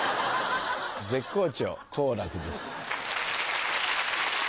絶好調好楽です。